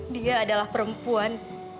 dia adalah perempuan